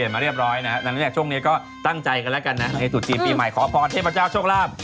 มาเรียบร้อยนะหลังจากช่วงนี้ก็ตั้งใจกันแล้วกันนะในตุ๊จีนปีใหม่ขอพรเทพเจ้าโชคลาภ